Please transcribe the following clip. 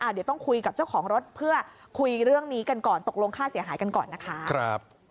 เดี๋ยวต้องคุยกับเจ้าของรถเพื่อคุยเรื่องนี้กันก่อนตกลงค่าเสียหายกันก่อนนะคะ